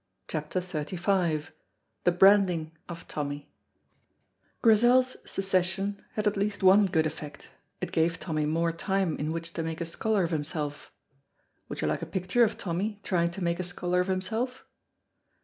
CHAPTER XXXV THE BRANDING OF TOMMY Grizel's secession had at least one good effect: it gave Tommy more time in which to make a scholar of himself. Would you like a picture of Tommy trying to make a scholar of himself?